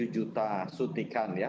juta sutikan ya